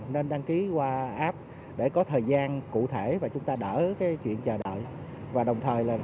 mỗi ngày tp hcm có thể giải quyết cho hai phương tiện